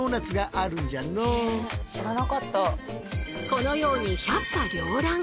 このように百花繚乱！